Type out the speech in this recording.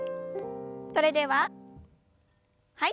それでははい。